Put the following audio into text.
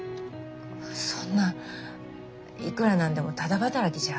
そんないくら何でもただ働きじゃ。